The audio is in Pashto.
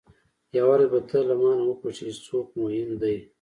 یوه ورځ به ته له مانه وپوښتې چې څوک مهم دی.